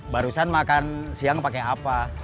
barusan makan siang pakai apa